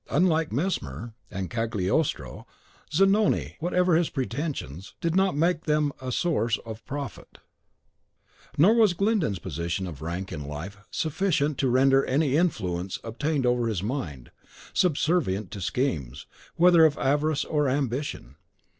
Unlike Mesmer and Cagliostro, Zanoni, whatever his pretensions, did not make them a source of profit; nor was Glyndon's position or rank in life sufficient to render any influence obtained over his mind, subservient to schemes, whether of avarice or ambition.